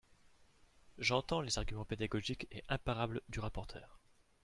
J’entends les arguments pédagogiques et imparables du rapporteur.